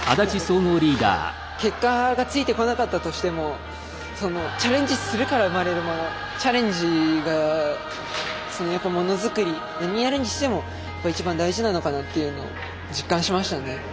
結果がついてこなかったとしてもチャレンジするから生まれるものチャレンジがやっぱりものづくり何やるにしても一番大事なのかなっていうのを実感しましたね。